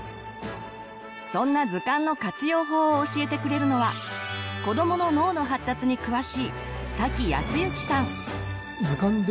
そんな図鑑の活用法を教えてくれるのは子どもの脳の発達に詳しい瀧靖之さん。